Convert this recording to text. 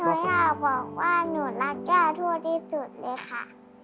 อยากบอกว่าหนูรักย่าทั่วที่สุดเลยค่ะ